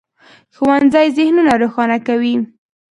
ښوونځی ذهنونه روښانه کوي.